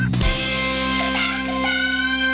น้ำเงิน